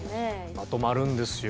まとまるんですよ